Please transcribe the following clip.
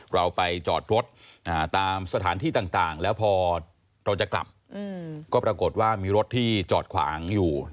เราไปจอดรถตามสถานที่ต่างแล้วพอเราจะกลับก็ปรากฏว่ามีรถที่จอดขวางอยู่